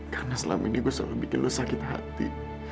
karena selama ini gue selalu bikin lo sakit hati